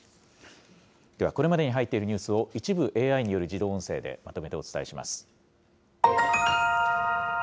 ではこれまでに入っているニュースを、一部ＡＩによる自動音声でまとめてお伝えします。